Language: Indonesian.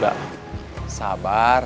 mungkin ada jalan keluar